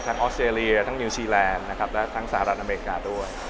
ออสเตรเลียทั้งนิวซีแลนด์นะครับและทั้งสหรัฐอเมริกาด้วย